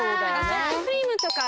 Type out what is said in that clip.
ソフトクリームとか。